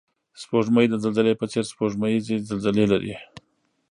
سپوږمۍ د زلزلې په څېر سپوږمیزې زلزلې لري